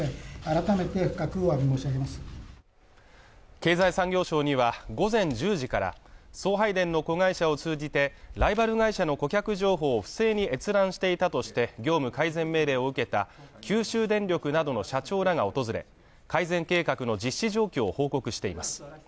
経済産業省には午前１０時から送配電の子会社を通じてライバル会社の顧客情報を不正に閲覧していたとして、業務改善命令を受けた九州電力などの社長らが訪れ、改善計画の実施状況を報告しています。